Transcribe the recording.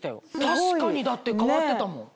確かにだって変わってたもん。